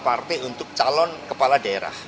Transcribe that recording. partai untuk calon kepala daerah